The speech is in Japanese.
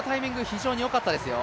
非常によかったですよ。